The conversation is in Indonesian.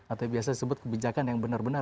atau biasa disebut kebijakan yang benar benar